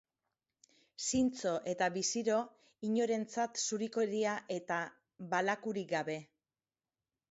Zintzo eta biziro, inorentzat zurikeria eta balakurik gabe.